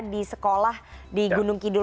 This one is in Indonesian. di sekolah di gunung kidul